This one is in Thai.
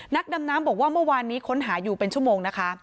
นักดำน้ำบอกว่าเมื่อวานนี้ค้นหาอยู่เป็นชั่วโมงนะคะ